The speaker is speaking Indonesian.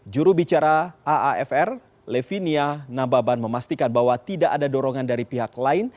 juru bicara affr levinia nababan memastikan bahwa tidak ada dorongan dari pihak lain